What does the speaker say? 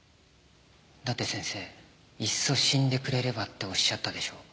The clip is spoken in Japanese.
だって先生「いっそ死んでくれれば」っておっしゃったでしょう。